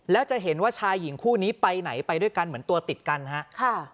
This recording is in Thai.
แล้วจะเห็นว่าชายหญิงคู่นี้ไปไหนไปด้วยกันเหมือนตัวติดกันฮะ